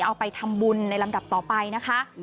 เอาไปทำบุญในลำดับต่อไปนะคะ